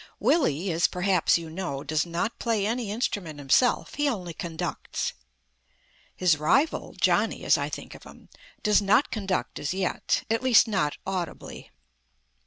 Willy, as perhaps you know, does not play any instrument himself; he only conducts. His rival (Johnny, as I think of him) does not conduct as yet; at least, not audibly.